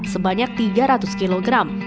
sebanyak tiga ratus kilogram